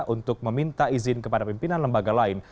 untuk meminta izin kepada pimpinan lembaga lain